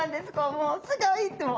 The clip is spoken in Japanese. もうすごいってもう。